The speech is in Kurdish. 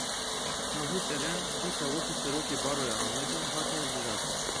Nahit Eren dîsa wekî Serokê Baroya Amedê hat hilbijartin.